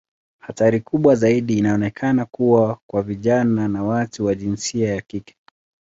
Hatari kubwa zaidi inaonekana kuwa kwa vijana na watu wa jinsia ya kike.